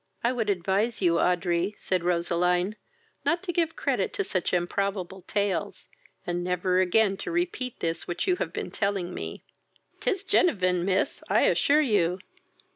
"I would advise you, Audrey, (said Roseline,) not to give credit to such improbable tales, and never again to repeat this which you have been telling me." "'Tis genevin, miss, I assure you.